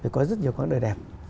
có rất nhiều quãng đời đẹp